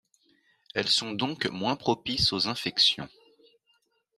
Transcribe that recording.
Elles sont donc moins propices aux infections.